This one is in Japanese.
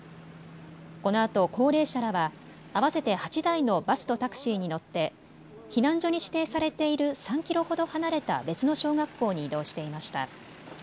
このあと高齢者らは合わせて８台のバスとタクシーに乗って避難所に指定されている３キロほど離れた別の小学校に移動していました。